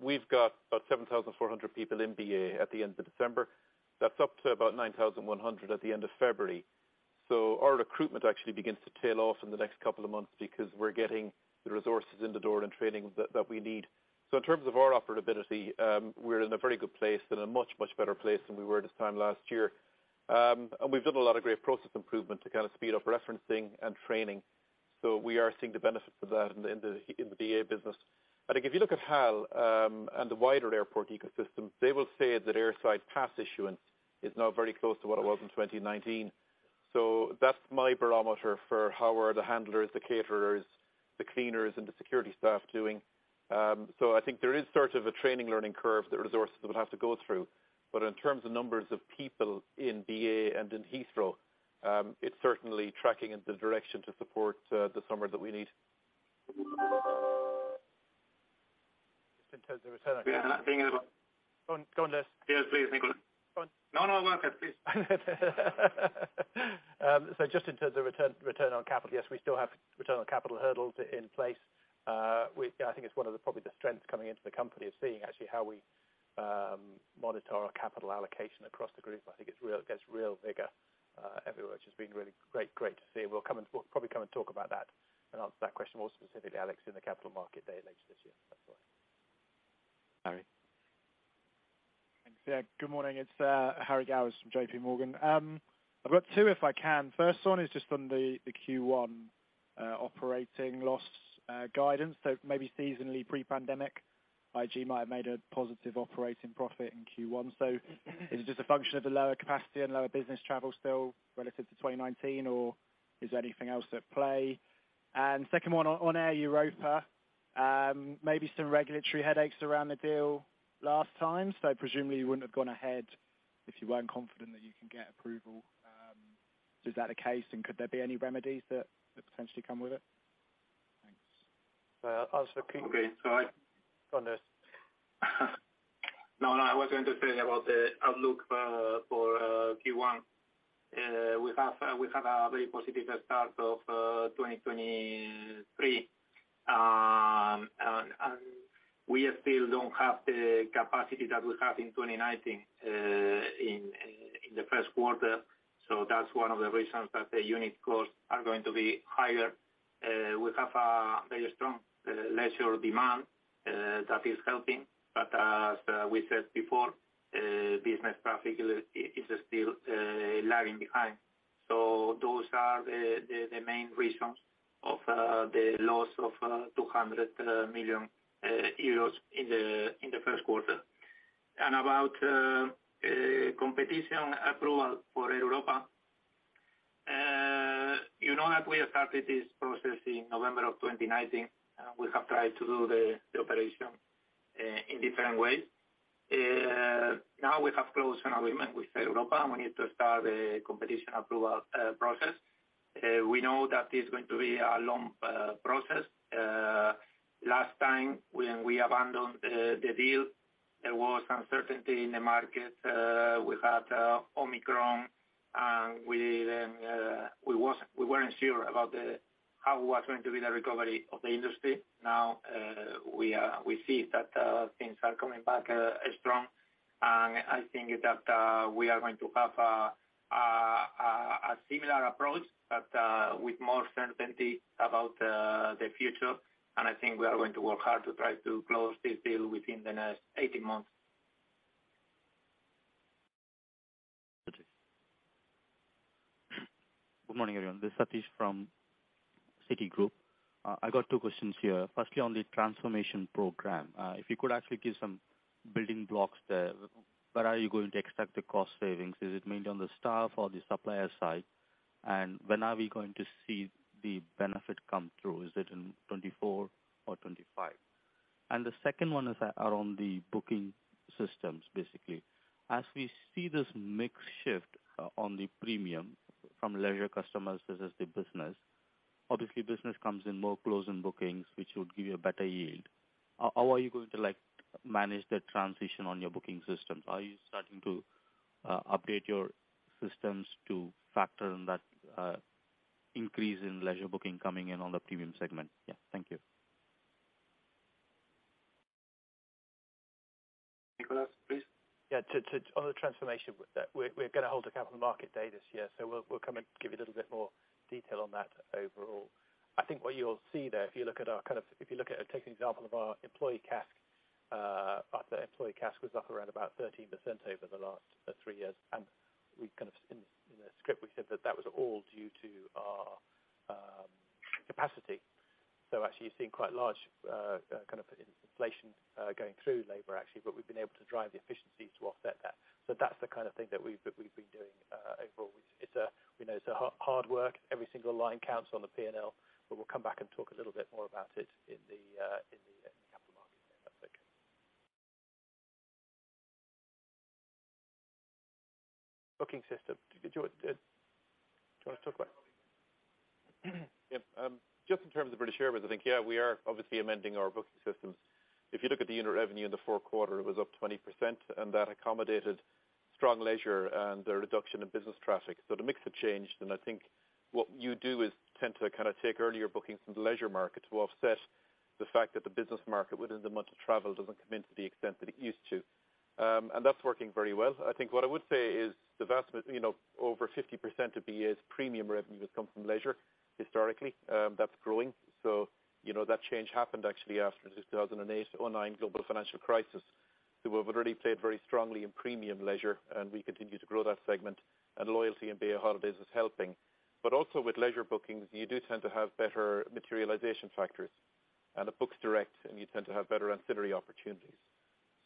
we've got about 7,400 people in BA at the end of December. That's up to about 9,100 at the end of February. Our recruitment actually begins to tail off in the next couple of months because we're getting the resources in the door and training that we need. In terms of our operability, we're in a very good place and a much, much better place than we were this time last year. We've done a lot of great process improvement to kinda speed up referencing and training. We are seeing the benefit of that in the BA business. I think if you look at HAL, and the wider airport ecosystem, they will say that air side pass issuance is now very close to what it was in 2019. That's my barometer for how are the handlers, the caterers, the cleaners, and the security staff doing. I think there is sort of a training learning curve that resources would have to go through. In terms of numbers of people in BA and in Heathrow, it's certainly tracking in the direction to support, the summer that we need. Just in terms of return on-. Yeah, I think. Go on, go on, Les. Yes, please, Nicholas. Go on. No, no. Mark, please. Just in terms of return on capital, yes, we still have return on capital hurdles in place. I think it's one of the probably the strengths coming into the company is seeing actually how we monitor our capital allocation across the group. I think it gets real vigor everywhere, which has been really great to see. We'll probably come and talk about that and answer that question more specifically, Alex, in the capital market day later this year. That's right, Harry. Thanks. Yeah. Good morning. It's Harry Gowers from JP Morgan. I've got two if I can. First one is just on the Q1 operating loss guidance. Maybe seasonally pre-pandemic, IAG might have made a positive operating profit in Q1. Is it just a function of the lower capacity and lower business travel still relative to 2019, or is there anything else at play? Second one on Air Europa. Maybe some regulatory headaches around the deal last time. Presumably you wouldn't have gone ahead if you weren't confident that you can get approval. Is that the case, and could there be any remedies that potentially come with it? Thanks. I'll ask Keith. Okay. Go on, Les. No, no. I was going to say about the outlook for Q1. We have a very positive start of 2023. We still don't have the capacity that we had in 2019 in the first quarter. That's one of the reasons that the unit costs are going to be higher. We have a very strong leisure demand that is helping. As we said before, business traffic is still lagging behind. Those are the main reasons of the loss of 200 million euros in the first quarter. About competition approval for Europa. you know that we have started this process in November of 2019. We have tried to do the operation in different ways. We have closed an agreement with Europa, and we need to start a competition approval process. We know that it's going to be a long process. Last time when we abandoned the deal, there was uncertainty in the market. We had Omicron and we then we weren't sure about the, how was going to be the recovery of the industry. Now we see that things are coming back strong. I think that we are going to have a similar approach, but with more certainty about the future.I think we are going to work hard to try to close this deal within the next 18 months. Satish. Good morning, everyone. This Satish from Citigroup. I got two questions here. Firstly, on the transformation program, if you could actually give some building blocks there, where are you going to extract the cost savings? Is it mainly on the staff or the supplier side? When are we going to see the benefit come through? Is it in 2024 or 2025? The second one is around the booking systems, basically. As we see this mix shift on the premium from leisure customers versus the business, obviously business comes in more closing bookings, which would give you a better yield. How are you going to, like, manage the transition on your booking systems? Are you starting to update your systems to factor in that increase in leisure booking coming in on the premium segment? Yeah. Thank you. Nicholas, please. Yeah. On the transformation, we're gonna hold a capital market day this year. We'll come and give you a little bit more detail on that overall. I think what you'll see there, take an example of our employee CASK, the employee CASK was up around about 13% over the last three years. We kind of in the script, we said that that was all due to our Capacity. Actually you're seeing quite large, kind of inflation, going through labor actually, but we've been able to drive the efficiency to offset that. That's the kind of thing that we've been doing overall. It's, we know it's hard work. Every single line counts on the P&L. We'll come back and talk a little bit more about it in the capital market. Booking system. Do you wanna talk about it? Yep. Just in terms of British Airways, I think, yeah, we are obviously amending our booking systems. If you look at the unit revenue in the fourth quarter, it was up 20%, and that accommodated strong leisure and a reduction in business traffic. So the mix had changed, and I think what you do is tend to kind of take earlier bookings from the leisure market to offset the fact that the business market within the month of travel doesn't come in to the extent that it used to. That's working very well. I think what I would say is the vast you know, over 50% of BA's premium revenue has come from leisure historically. That's growing. You know, that change happened actually after the 2008, 2009 global financial crisis. We've already played very strongly in premium leisure, and we continue to grow that segment and loyalty in BA Holidays is helping. Also with leisure bookings, you do tend to have better materialization factors, and it books direct, and you tend to have better ancillary opportunities.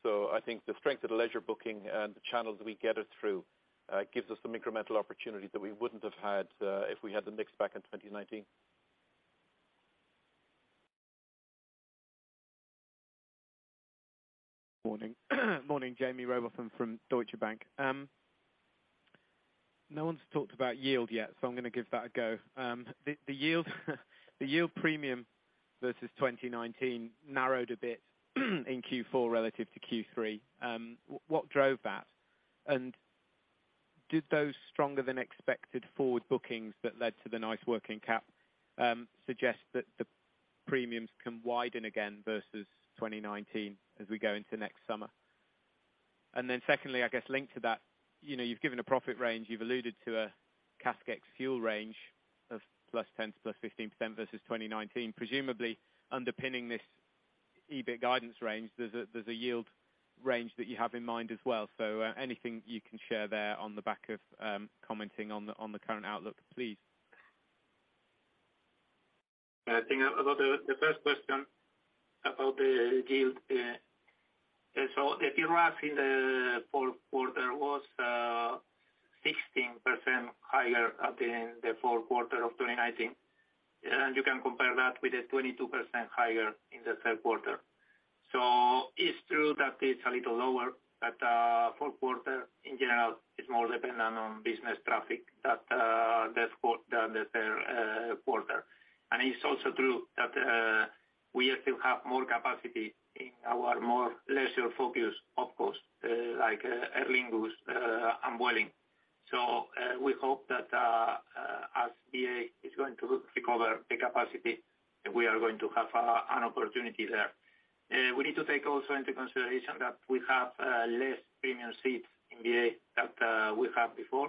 I think the strength of the leisure booking and the channels we get it through, gives us some incremental opportunities that we wouldn't have had if we had the mix back in 2019. Morning. Morning, Jaime Rowbotham from Deutsche Bank. No one's talked about yield yet, so I'm gonna give that a go. The yield premium versus 2019 narrowed a bit in Q4 relative to Q3. What drove that? Did those stronger than expected forward bookings that led to the nice working cap suggest that the premiums can widen again versus 2019 as we go into next summer? Secondly, I guess linked to that, you know, you've given a profit range. You've alluded to a CASK ex fuel range of +10% - +15% versus 2019. Presumably underpinning this EBIT guidance range, there's a yield range that you have in mind as well. Anything you can share there on the back of commenting on the current outlook, please. I think about the first question about the yield. The PRASK in the fourth quarter was 16% higher at the end of fourth quarter of 2019. You can compare that with a 22% higher in the third quarter. It's true that it's a little lower, but fourth quarter in general is more dependent on business traffic that the third quarter. It's also true that we still have more capacity in our more leisure-focused of course, like Aer Lingus and Vueling. We hope that as BA is going to recover the capacity, we are going to have an opportunity there. We need to take also into consideration that we have less premium seats in BA that we have before.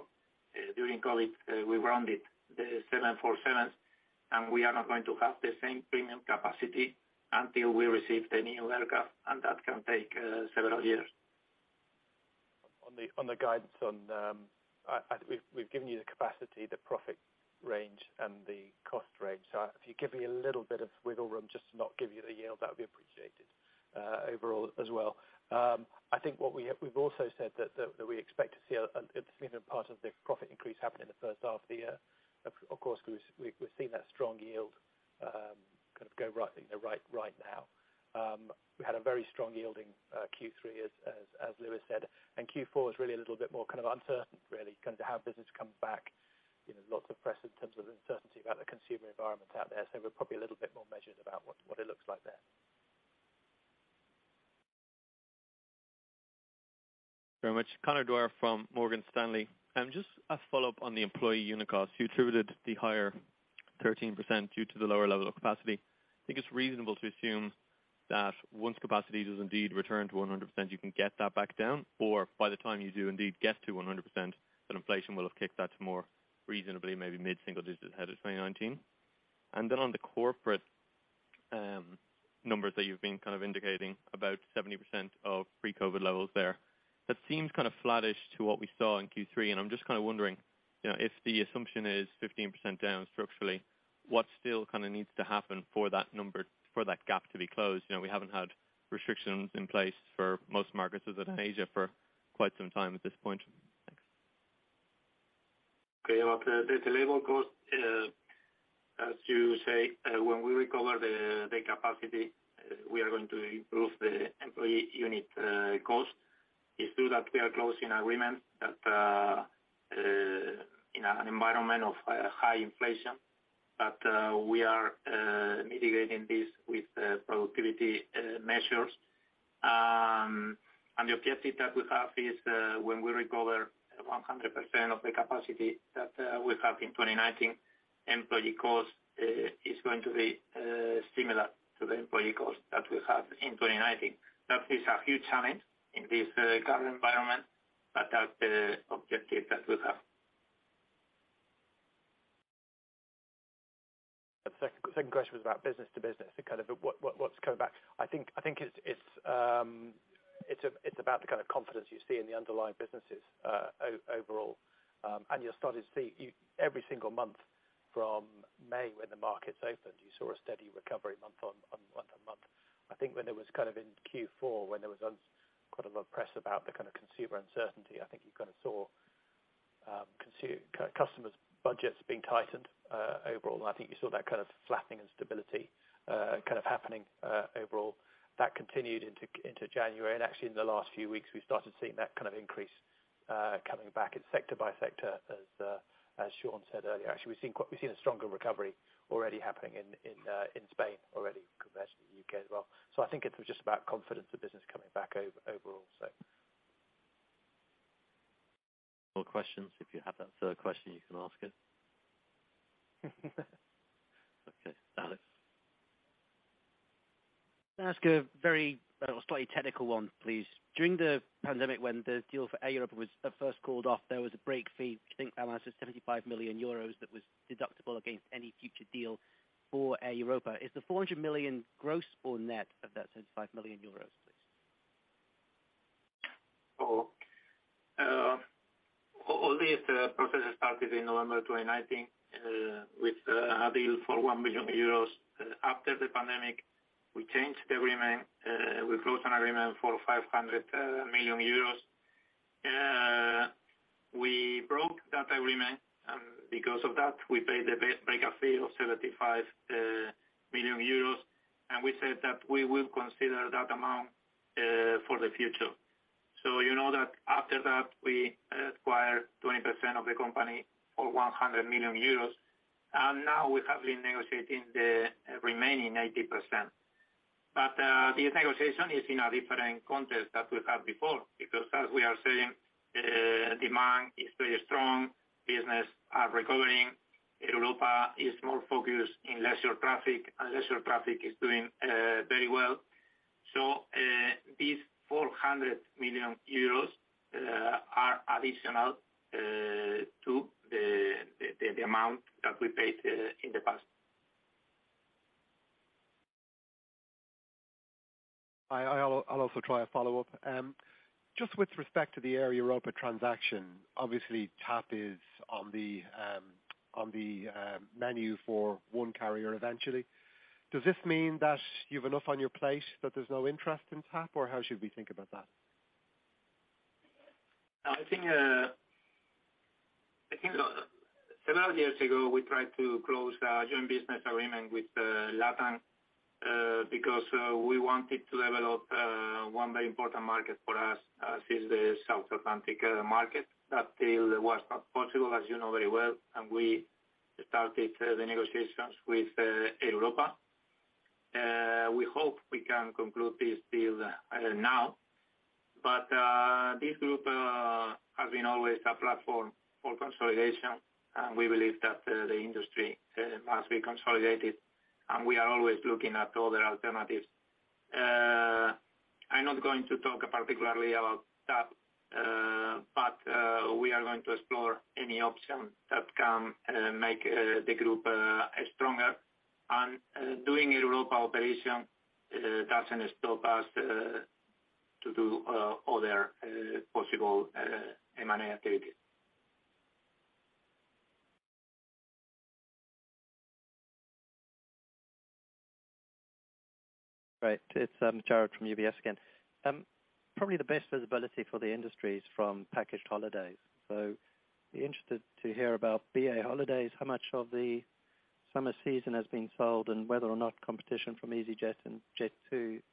During COVID, we rounded the 747s. We are not going to have the same premium capacity until we receive the new aircraft, and that can take several years. On the, on the guidance on, we've given you the capacity, the profit range and the cost range. If you give me a little bit of wiggle room just to not give you the yield, that would be appreciated overall as well. I think what we've also said that we expect to see a significant part of the profit increase happen in the first half of the year. Of course, we've seen that strong yield kind of go right, you know, right now. We had a very strong yielding Q3 as Luis said. Q4 is really a little bit more kind of uncertain really, kind of how business come back. You know, lots of press in terms of the uncertainty about the consumer environment out there. We're probably a little bit more measured about what it looks like there. Very much. Conor Dwyer from Morgan Stanley. Just a follow-up on the employee unit cost. You attributed the higher 13% due to the lower level of capacity. I think it's reasonable to assume that once capacity does indeed return to 100%, you can get that back down. By the time you do indeed get to 100% that inflation will have kicked that to more reasonably maybe mid-single digits ahead of 2019. On the corporate numbers that you've been kind of indicating, about 70% of pre-COVID levels there. That seems kind of flattish to what we saw in Q3. I'm just kind of wondering, you know, if the assumption is 15% down structurally, what still kind of needs to happen for that number, for that gap to be closed? You know, we haven't had restrictions in place for most markets other than Asia for quite some time at this point. Thanks. About the labor cost, as you say, when we recover the capacity, we are going to improve the employee unit cost. It's true that we are closing agreements that in an environment of high inflation, but we are mitigating this with productivity measures. The objective that we have is when we recover 100% of the capacity that we have in 2019, employee cost is going to be similar to the employee cost that we have in 2019. That is a huge challenge in this current environment, but that's the objective that we have. The second question was about business to business and kind of what's coming back. I think it's about the kind of confidence you see in the underlying businesses overall. You'll start to see every single month from May when the markets opened, you saw a steady recovery month on month on month. I think when it was kind of in Q4 when there was quite a lot of press about the kind of consumer uncertainty, I think you kind of saw customers budgets being tightened overall, and I think you saw that kind of flapping instability kind of happening overall. That continued into January. Actually in the last few weeks, we started seeing that kind of increase coming back. It's sector by sector as Sean said earlier. Actually we've seen a stronger recovery already happening in Spain already compared to the UK as well. I think it was just about confidence, the business coming back overall so. More questions if you have that third question, you can ask it. Okay, Alex. Can I ask a very, slightly technical one, please? During the pandemic when the deal for Air Europa was at first called off, there was a break fee, I think, Alex said 75 million euros that was deductible against any future deal for Air Europa. Is the 400 million gross or net of that 75 million euros, please? All these processes started in November 2019 with a deal for 1 million euros. After the pandemic, we changed the agreement. We wrote an agreement for 500 million euros. We broke that agreement, and because of that, we paid the break fee of 75 million euros, and we said that we will consider that amount for the future. You know that after that, we acquired 20% of the company for 100 million euros. Now we have been negotiating the remaining 80%. This negotiation is in a different context that we had before because as we are saying, demand is very strong, business are recovering. Air Europa is more focused in leisure traffic, and leisure traffic is doing very well. These 400 million euros are additional to the amount that we paid in the past. I'll also try a follow-up. Just with respect to the Air Europa transaction, obviously TAP is on the menu for one carrier eventually. Does this mean that you've enough on your plate that there's no interest in TAP, or how should we think about that? I think, I think several years ago we tried to close a joint business agreement with LATAM, because we wanted to develop one very important market for us, since the South Atlantic market. That deal was not possible, as you know very well, and we started the negotiations with Air Europa. We hope we can conclude this deal now. This group has been always a platform for consolidation, and we believe that the industry must be consolidated, and we are always looking at other alternatives. I'm not going to talk particularly about that, but we are going to explore any option that can make the group stronger. Doing Air Europa operation doesn't stop us to do other possible M&A activities. Right. It's Jarrod from UBS again. Probably the best visibility for the industries from packaged holidays. Be interested to hear about BA Holidays, how much of the summer season has been sold, and whether or not competition from easyJet and Jet2, you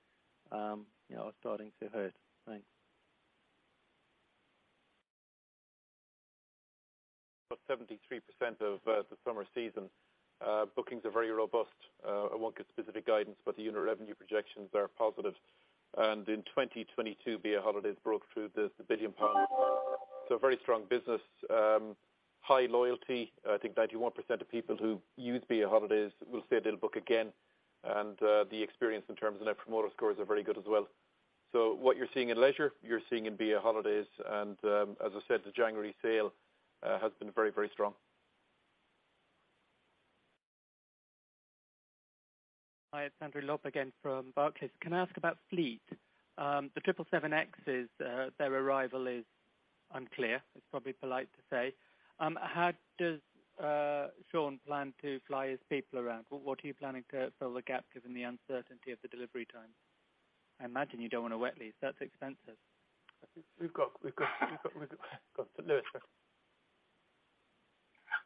know, are starting to hurt. Thanks. Plus 73% of the summer season. Bookings are very robust. I won't give specific guidance, but the unit revenue projections are positive. In 2022 BA Holidays broke through the 1 billion pounds. Very strong business. High loyalty. I think 91% of people who use BA Holidays will say they'll book again. The experience in terms of net promoter scores are very good as well. What you're seeing in Leisure, you're seeing in BA Holidays and, as I said, the January sale has been very, very strong. Hi, it's Andrew Lobbenberg again from Barclays. Can I ask about fleet? The 777Xs, their arrival is unclear, it's probably polite to say. How does Sean plan to fly his people around? What are you planning to fill the gap given the uncertainty of the delivery time? I imagine you don't wanna wet lease, that's expensive. We've got, we got Lewis.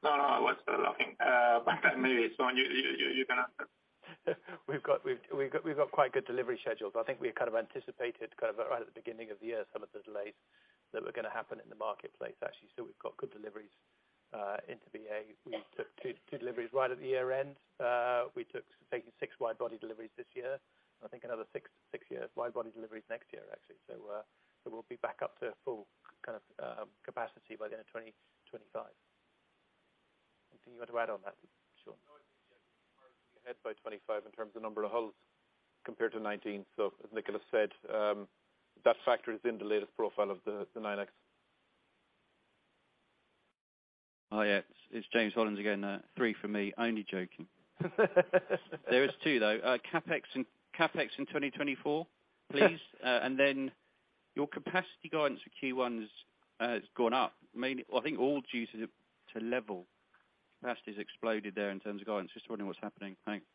No, no, I was looking. Maybe luis you can answer. We've got quite good delivery schedules. I think we kind of anticipated kind of right at the beginning of the year some of the delays that were gonna happen in the marketplace actually. We've got good deliveries into BA. We took two deliveries right at the year-end. We took taking six wide body deliveries this year, and I think another six wide body deliveries next year, actually. We'll be back up to full kind of capacity by the end of 2025. Anything you want to add on that, Sean? I think we're ahead by 25 in terms of number of hulls compared to 19. As Nicholas said, that factor is in the latest profile of the 9X. Yeah. It's James Hollins again. Three for me. Only joking. There is 2, though. CapEx and CapEx in 2024, please. Then your capacity guidance for Q1 has gone up, mainly I think all due to LEVEL. Capacity's exploded there in terms of guidance. Just wondering what's happening. Thanks.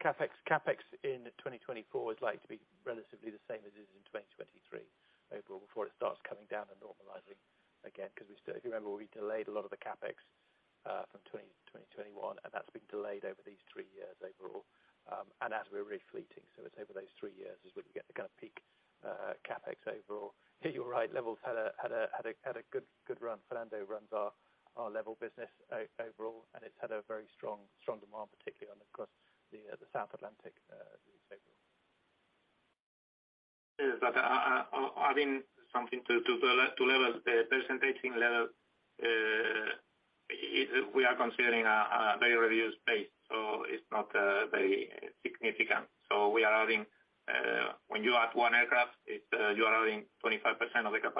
CapEx. CapEx in 2024 is likely to be relatively the same as it is in 2023 overall, before it starts coming down and normalizing again. 'Cause we still, if you remember, we delayed a lot of the CapEx from 2021, and that's been delayed over these 3 years overall, and as we're refleeting. It's over those three years is when you get the kind of peak CapEx overall. You're right, LEVEL had a good run. Fernando runs our LEVEL business overall, and it's had a very strong demand, particularly on across the South Atlantic overall. Yes. I, adding something to LEVEL, the presentation level, we are considering a very reduced base, so it's not very significant. We are adding, when you add one aircraft, it's you are adding 25% of the capacity.